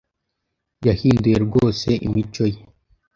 Yahinduye rwose imico ye.